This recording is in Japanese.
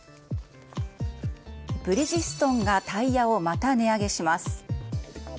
ブリヂストンがタイヤをまた値上げします。